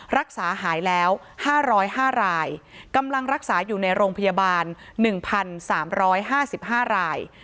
รักษาหายแล้ว๕๐๕รายกำลังรักษาอยู่ในโรงพยาบาล๑๓๕๕ราย